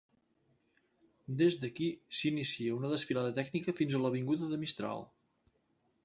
Des d'aquí s'inicia una desfilada tècnica fins a l'avinguda de Mistral.